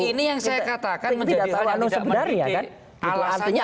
ini yang saya katakan menjadi hal yang tidak mengikuti alasannya